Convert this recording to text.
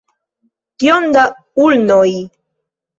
Kiom da ulnoj?